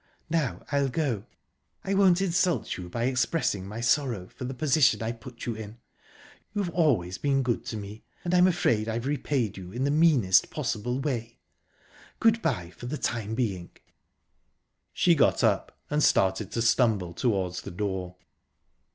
Now I'll go...I won't insult you by expressing my sorrow for the position I've put you in...You have always been good to me, and I'm afraid I've repaid you in the meanest possible way...Good bye, for the time being!" She got up, and started to stumble towards the door.